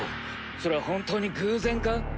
それは本当に偶然か？